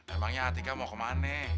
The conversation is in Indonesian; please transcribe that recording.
emangnya atika mau kemana